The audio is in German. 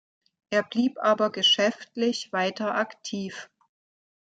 Er blieb aber geschäftlich weiter aktiv.